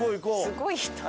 すごい人。